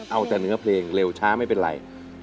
เอาแต่เนื้อเพลงเร็วช้าไม่เป็นไร